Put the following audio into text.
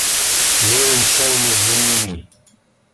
Левин шел между ними.